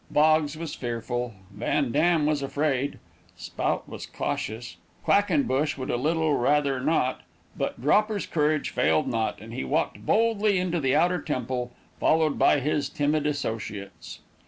Boggs was fearful, Van Dam was afraid, Spout was cautious, Quackenbush would a little rather not, but Dropper's courage failed not, and he walked boldly into the outer temple, followed by his timid associates.